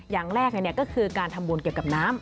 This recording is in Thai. อย่างแรกก็คือการทำบุญเกี่ยวกับน้ำ